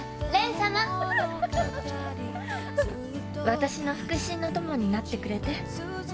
私の腹心の友になってくれて？